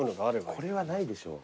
これはないでしょ。